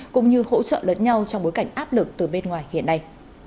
cũng như hỗ trợ lẫn nhau trong bối cảnh áp lực từ bên ngoài hiện nay